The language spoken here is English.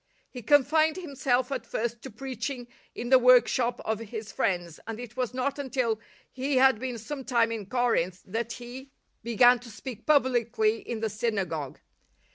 He confined himself at first to preaching in the workshop of his friends, and it was not until he had been some time in Corinth that he began to speak publicly in the synagogue.